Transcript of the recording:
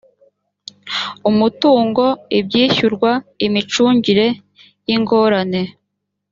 umutungo ibyishyurwa imicungire y ingorane